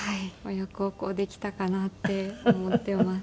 親孝行できたかなって思っています。